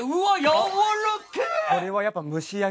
やわらけえ！